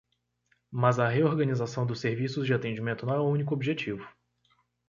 Mas a reorganização dos serviços de atendimento não é o único objetivo.